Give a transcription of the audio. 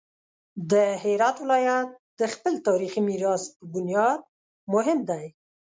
د هرات ولایت د خپل تاریخي میراث په بنیاد مهم دی.